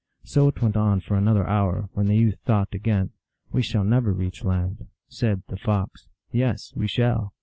So it went on for another hour, when the youth thought again, " We shall never reach land." Said the Fox, " Yes, we shall."